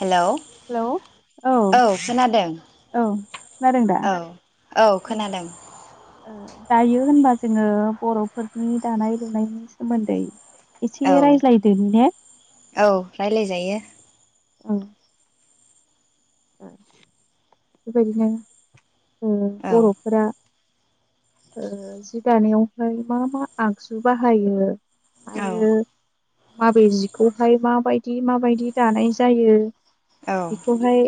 हेल hello औ खोनादों औ खोनादों दा? औ औ ओ खोनादों। दायो होनबा जोङो बरफोरनि दानाय लुनायनि सोमोन्दै। एसे औ रायज्लायदोनि ने? औ रायज्लायजायो। औ। [unintelligible] बेबादिनो औ बर'फोरा जि दानायावहाय मा मा आगजु बाहायो औ आरो माबे जिखौहाय माबायदि माबायदि दानाय जायो। औ बेखौहाय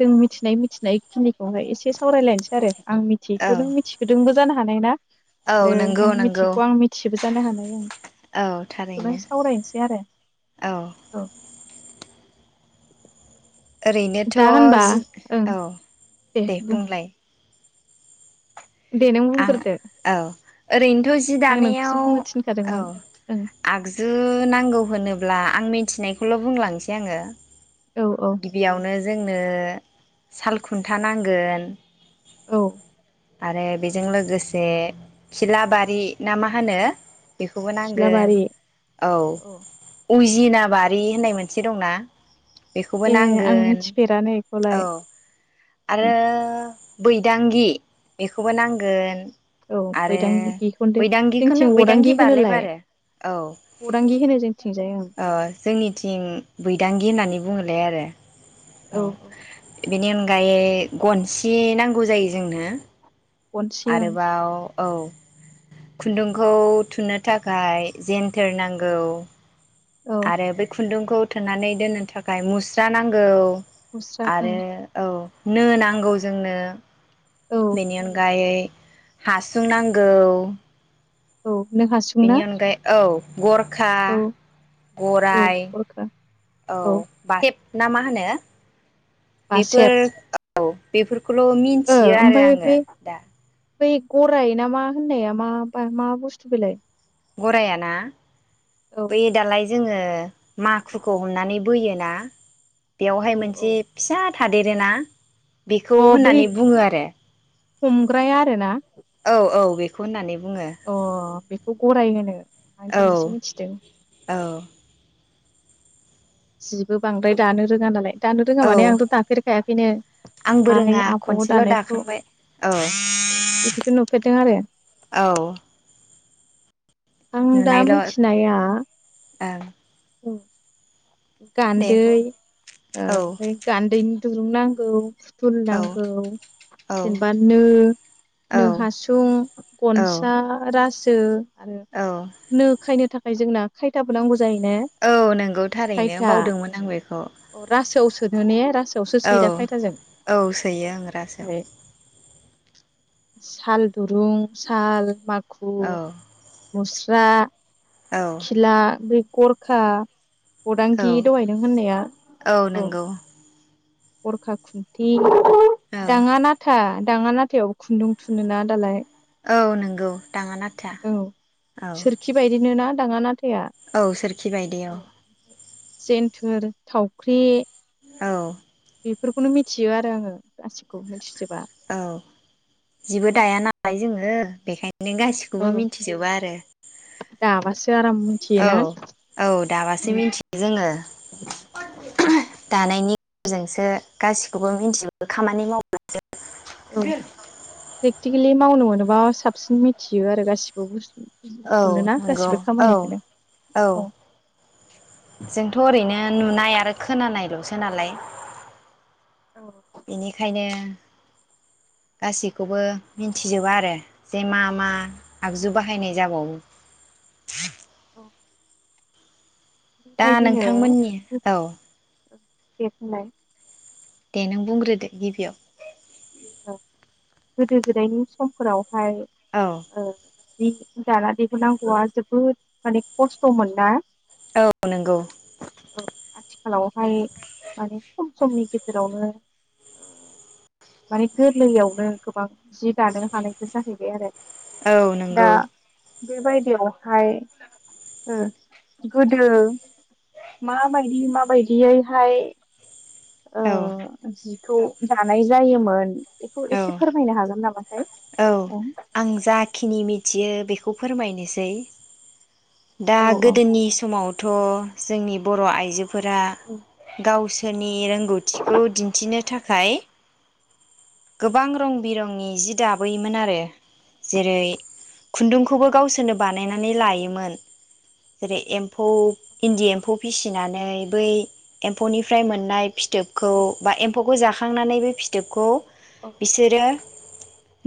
जों मिथिनाय मिथिनायखिनिखौहाय एसे सावरायलायनोसै आरो आं औ मिथियैखौ नों मिथिखोदोंबो जानो हानाय ना। औ आरो नंगौ नों नंगौ मिथियिखौ आं मिथियोबो। जानो हानाय आं। औ बेखौनो थारैनो सावरायनोसै आरो औ औ। ओरैनोथ दा होनबा जि ओं औ। दे बुंलाय। दे नों बुंगोरदो। ओरैनो। थ जि दानायाव औ ओं आगजु नांगौ होनोब्ला आं मिथिनायखौल बुंलांसै आङो औ औ गिबियावनो जोंनो सालखुन्था नांगोन औ। आरो बेजों लोगोसे खिलाबारि ना मा होनो बेखौबो नांगोन खिलाबारि औ। उजिना बारि होननाय मोनसे दं ना बेखौबो ए आं नांगोन मिथिफेरानो बेखौलाय औ आरो। बैदांगि बेखौबो नांगोन। औ आरो बैदांगिखौनो जोंथिं बैदांगिखौनो अदांगि बैदांगि बारले होनोलाय बारो औ बदांगि होनो जोंथिंजाय ओं ओ जोंनिथिं बैदांगि होननानै बुङोलाय आरो। औ औ बेनि अनगायै गनसि नांगौ जायो जोंनो गनसि ओं आरोबाव औ खुन्दुंखौ थुनो थाखाय जेनथोर नांगौ औ आरो बै खुन्दुं खौ थोननानै दोननो थाखाय मुस्रा नांगौ मुस्रा ओं आरो औ नो नांगौ जोंनो औ बेनि अनगायै हासुं नांगौ। औ नों हासुं ना बेनि अनगायै औ गरखा औ औ गराय गरखा औ बा खेल। ना मा होनो? बेफोर बासेब औ बेफोर खौल ओ मिनथियो आरो ओमफ्राय आङो बे दा। बै गराय ना मा होननाया माबा मा बुस्थु बेलाय? गराया ना? बै औ दालाय जोङो माखुखौ हमनानै बोयोना औ बेयावहाय मोनसे औ फिसा थादेरोना बेखौ अ बै होननानै बुङो आरो हमग्राया आरो ना? औ औ बेखौ होननानै बुङो। खौ गराय होनो। आं दिनैसो औ मिथिदों औ। जिबो बांद्राय दानो रोङा नालाय दानो रोङा औ माने आंथ दाफेरखायाखैनो आंबो आइ रोङा आब खनसेल' दानायखौ दाखांबाय औ ओ इदिखौ नुफेरदों आरो औ आं दा नुनायल' मिथिनाया ओं औ। दे गान्दै बुं औ ओमफाय गान्दैनि दुरुं नांगौ। फुल औ नांगौ औ जेनेबा नो नो औ हासुं औ गनसा रासो [unintelligible] आरो औ नो खायनो था फाय जोंना खायथाबो नांगौ जायो ने औ नंगौथा थारैनो बावदोंमोन आं बेखौ। अ रासोआव सोनाने रा औ औ सोयो आं रासोआव। ओमफ्राय साल दुरुं साल माग औ मुस्रा औ खिला बेै गरखा औ गदांगि दहाय नों होननाया औ नोंगौ गरखा खुन्थि औ दाङा नाथा दाङा नाथायावबो खुन्दुं थुुनोना दालाय औ नोंगौ दाङा नाथा औ औ सोरखि बायदिनो ना दाङा ना औ सोरखि बायदि औ जेन्थोर थाव ख्रि औ बेफोरखौनो मिथियो आरो आङो गासिखौ मिथिजोबा औ जिबो दाया नालाय जोङो बेखायनो नो गासिखौबो मिथिजोबा आरो [inaudible] दा बासो औ औ दाबासो मिथियो जोङो ओम दानायनि गेजेरजोंसो गासिखौबो मिथिजो खामानि मावब्लासो औ प्रेक्टिकेलि मावनो मोन बा साबसिन मिथियो आरो गासिबो बुस्थु औ नंगौ औ औ जोंथ ओरैनो नुनाय आरो खोनानायलसो नालाय औ बिनिखायनो गासैखौबो मिन्थिजोबा आरो जे मा मा आगजु बाहायनाय जाबावो [inaudible] दा नोंथांमोननि औ बेखौलाय दे नों बुंग्रोदो गिबियाव औ गोदो गोदायनि समफोराव हाय औ ओ जि दाना दिहुन नांगौआ जोबोद माने खस्थ मोन ना औ नंगौ औ आथिखालावहाय माने खम समनि गेजेरावनो माने गोरलैयावनो गोबां जि दानो हानायबो जाहैबाय आरो औ दा नंगौ बेबायदियावहाय ओ गोदो माबायदि माबायदियैहाय औ खौ जानाय जायोमोन बेखौ एसे औ फोरमायनो हागोन नामा औ आं जाखिनि मिथियो बेखौ फोरमायनोसै दा औ गोदोनि समावथ जोंनि बर' आइजो फोरा औ गावसो सोरनि रोंगौथिखौ दिन्थिनो थाखाय गोबां रं बिरंनि जि दाबोयोमोन आरो जेरै औ खुन्दुंखौबो गावसोरनो बान नायनानै लायोमोन जेरै एम्फौ इन्दि एम्फौ फिसि नानै बै एम्फौनिफ्राय मोननाय फिथ थोबखौ बा एम्फौखौ जाखा खांनानै बे फिथोबखौ औ बिसोरो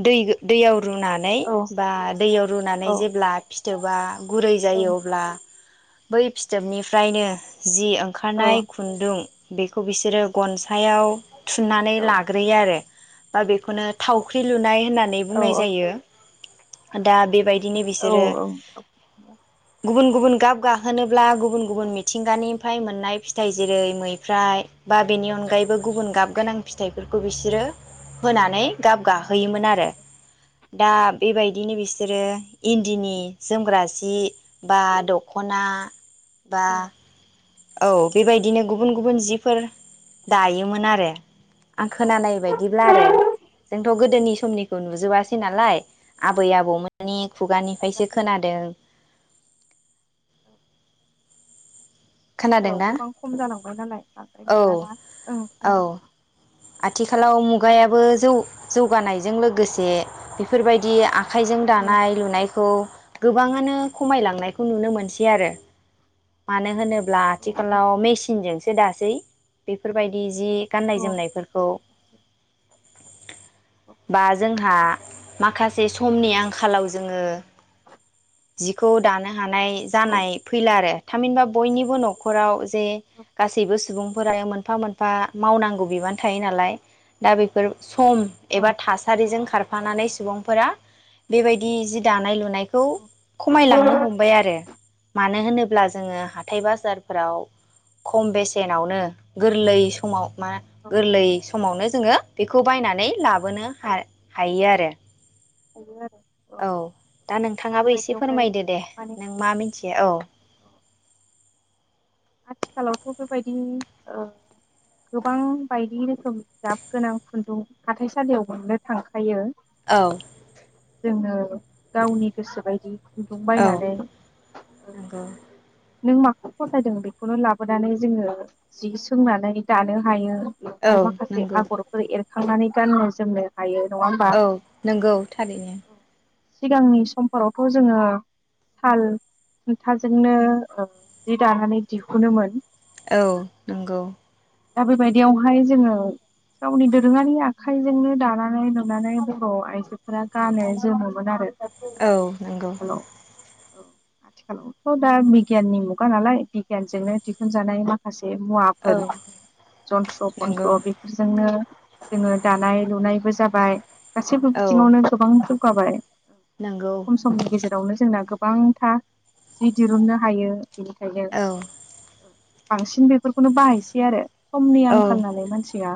दैगो-दैयाव रुनानै औ बा दैयाव रुनानै जेब्ला फिथ थोबा गुरै जायो औ अब्ला बै फिथोबनिफ्रायनो जि ओंखारनाय खुन्दुं बेखौ बिसोरो गनसायाव थुननानै लाग्रोयो आरो । बा बेखौनो थावख्रि लुनाय होननानै औ बुंनाय जायो । दा बेबायदिनो औ बिसोरो गुबुन गुबुन गाब गाहोनोब्ला गुबुन गुबुन मिथिंगानिफ्राय मोननाय फिथाइ जेरै मैफ्राय बा बेनि अनगायैबो गुबुन गाब गोनां फिथाइफोरखौ बिसोरो होनानै गाब गाहोयोमोन आरो दा बेबायदिनो बिसोरो इन्दिनि जोमग्रा सि बा दखना बा औ बेबायदिनो गुबुन गुबुन जिफोर दायोमोन आरो । आं खोनानाय बायदि ब्ला आरो जोंथ गोदोनि समनिखौ नुजोबासै नालाय आबै आबौ मोननि खुगानिफ्रायसो जोबासै खोनादों । औ। सोहोराव खोनादोंना गोबां खम जालांबाय नालाय बांद्राय औ नुलाना ओं औ खोनादों । आथिखालाव मुगायाबो जौ-जौगानायजों लोगोसे बेफोरबायदि आख आखाइजों औ दानाय लुनायखौ गोबाङानो खमायलांनायखौ नुनो मोनसै आरो मानो होनो ब्ला औ आथिखालाव मेसिनजों सो दासै बेफोरबायदि जि गाननाय औ जोमनायफोरखौ । बा जोंहा माखासे समनि आंखालाव जोङो जिखौ दानो हानाय औ जानाय फैला आरो । थामहिनबा बयनिबो नखराव जे गासैबो सुबुंफोरा मोनफा मोनफा मावनांगौ बिबान थायो नालाय दा बेफोर सम औ औ एबा थासारिजों खार थफानानै सुबुंफोरा बेबायदि जि दानाय लुनाय बेखौ औ खमायलांनो हमबाय आरो । मानो होनोब्ला जोङो हाथाय बाजारफोराव खम बेसेनावनो गोरलै समाव मा गोरलै समावनो जोङो बेखौ बायनानै लाबोनो हा-हायो आरो। हायो आरो। औ दा नोंथाङाबो एसे फोरमायदो दे माने नों मा मिथियो औ। आथिखालावथ बेबायदि ओ गोबां बायदि रोखोमनि गाब गोनां खुन्दुं हाथाइसालियाव मोननो थांखायो। औ जोङो गावनि गोसो बायदि खुन्दुं औ बायनानै नंगौ नों माखौ फसायदों बे बेखौनो लाबोनानै जोङो जि सोंनानै दानो हायो। बेवहाय औ माखासे नंगौ आगरफोर एर खांनानै गाननो जोमनो हायो। नङा होमबा औ नोंगौ थारैनो। सिगांनि समफोरावथ जोङो साल खुन्थाजोंनो जि दानानै दिहुनोमोन। औ नोंगौ। दा बेबायदियावहाय जोङो गावनि दोरोङारि आखाइजोंनो दानानै लुनानै बर' आइजोफोरा गानो जोमोमोन आरो। औ नोंगौ। आथिखालाव औ आथिखालावथ दा बिगियाननि मुगा नालाय बिगियानजोंनो दिहुनजानाय माखासे मुवाफोर औ जन्थ्र नंगौ पन्त्र बेफोरजोंनो जोङो दानाय लुनायबो जाबाय। गासैबो औ बिथिङावनो गोबां जौगाबाय। नंगौ खम समनि गेजेर बेआवनो जोंना गोबांथा जि दिरुननो हायो। बिनिखायनो औ बांसिन बेफोरखौनो बाहायसै आरो। समनि आंखाल औ नालाय मानसिया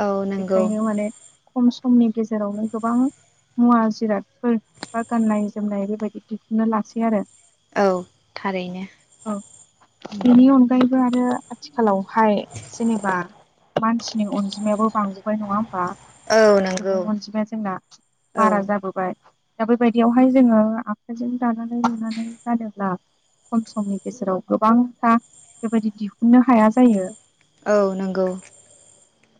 औ नंगौ बेखायनो माने खम समनि गेजेरावनो गोबां मुवा जिरादफोर बा गाननाय जोमनाय बेबायदि दिहुनना लासै आरो। औ थारैनो नोंगौ। बेनि अनगायैबो आरो आथिखालावहाय जेनेबा मानसिनि अनजिमायाबो बांबोबाय नङा होमबा? औ नंगौ सुबुं अनजिमाया जोंना औ बारा जाबोबाय। दा बेबायदियावहाय जोङो आखाइजों दानानै लुनानै गानोब्ला खम समनि गेजेराव गोबांथा बेबायदि दिहुननो हाया जायो। औ नंगौ।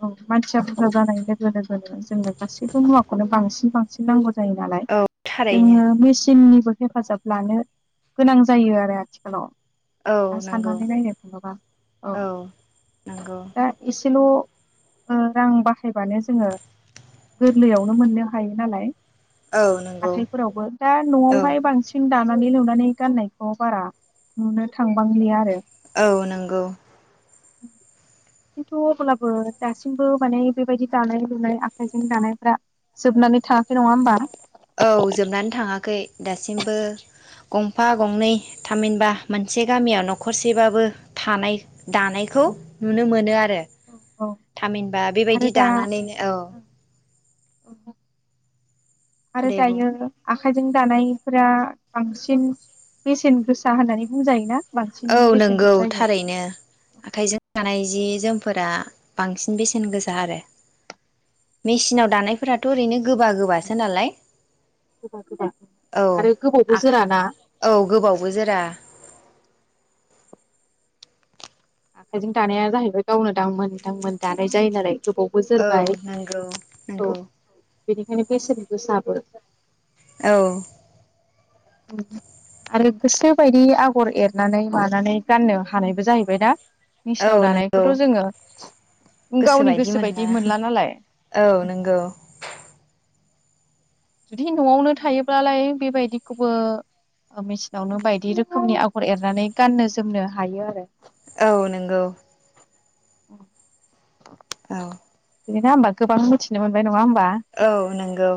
औ मानसिया बुरजा जानाय लोगो लोगोनो जोङो गासैबो मुवाखौनो बांसिन बां नांगौ जायो नालाय। औ थारैनो जोङो मेसिननि हेफाजाब लानो गोनां जायो आरो आथिखालाव औ दा नंगौ साननानै नायनो थाङोबा औ नंगौ दा इस एसेल रां बाहायबानो जोङो गोरलैयावनो मोननो हायो नालाय औ नंगौ हाथायफोरावबो दा औ नआवहाय बांसिन दां सनानै लुनानै गाननायखौ बारा नुनो थांबांलिया आरो। औ नंगौ । खिन्थु अब्लाबो दासिमबो माने बेबायदि दानाय लुनाय आखाइजों दानायफ्रा जोबनानै थाङाखै नङा होमबा? औ जोबनानै थाङाखै दासिमबो गंफा गंनै थामहिनबा मोनसे गामियाव नखरसेबाबो थानाय दानायखौ नुनो मोनो आरो औ थामहिनबा बेबायदि दानानैनो औ औ आरो दे बुं दायो आखाइजों दानायफोरा बांसिन बेसेन गोसा होननानै बुंजायोना? बांसिन औ बेसेन नंगौ जायो। थारैनो आखाइजों जानाय जि जोमफोरा बांसिन बेसेन गोसा आरो मेचिनाव दानाय फोरथ ओरैनो गोबा गोबासो नालाय गोबा औ आरो गोबावबो आखा जोराना औ गोबावबो जोरा। आखाइजों दानाया जाहैबाय गावनो दांमोन दांमोन दानाय जायो नालाय। गोबावबो औ जोरबाय नंगौ औ नंगौ। बेनिखायनो बेसेन गोसाबो औ। आरो गोसो बायदि आगर एरनानै मानानै गाननो हानायबो जाहैबायना। मेसिनाव दानायखौथ जोङो गोसो बायदि मोनला औ नंगौ । जुदि नआवनो थायोब्लालाय बेबायदिखौबो मेचिनावनो बायदि रोखोमनि आगर एरनानै गाननो जोमनो हायो आरो। औ नंगौ। [unintelligible] औ। बिदिनो होनोमबा गोबां मिथि मोनबाय नङा होमबा औ नंगौ।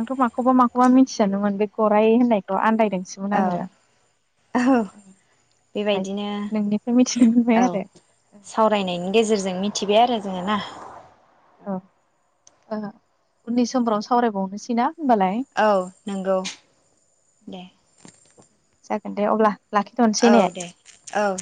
आंथ माखौबा माखौबा मिथियानोमोन बे गराइ होननायखौ आन्दाय औ औ दायो बेबायदिनो नोंनिफ्राय मिथिनो मोनबाय औ आरो सावरायनायनि गेजेरजों मिथि थिबाय आरो जोङो ना। अ उननि समफ्रावनो सावरायबावनोसैना औ नंगौ दे। जागोन दे अब्ला लाखिथ'नोसै ने औ दे औ।